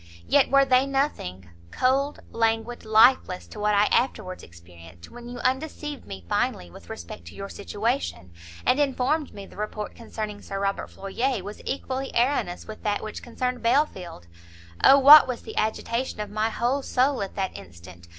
yet were they nothing, cold, languid, lifeless to what I afterwards experienced, when you undeceived me finally with respect to your situation, and informed me the report concerning Sir Robert Floyer was equally erroneous with that which concerned Belfield! O what was the agitation of my whole soul at that instant!